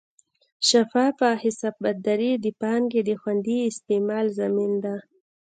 شفافه حسابداري د پانګې د خوندي استعمال ضامن ده.